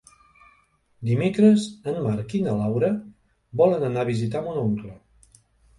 Dimecres en Marc i na Laura volen anar a visitar mon oncle.